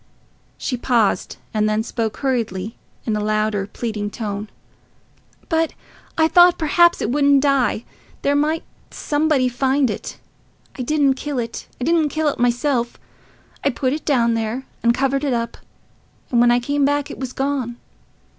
She paused, and then spoke hurriedly in a louder, pleading tone. "But I thought perhaps it wouldn't die—there might somebody find it. I didn't kill it—I didn't kill it myself. I put it down there and covered it up, and when I came back it was gone....